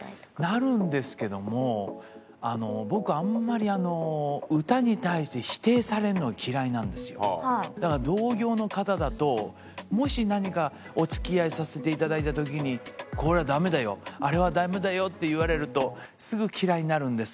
なるんですけども僕あんまりだから同業の方だともし何かお付き合いさせていただいた時に「これはダメだよあれはダメだよ」って言われるとすぐ嫌いになるんです。